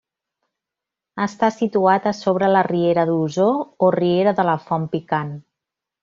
Està situat a sobre la riera d'Osor o riera de la Font Picant.